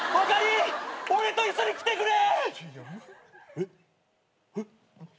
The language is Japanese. えっえっ。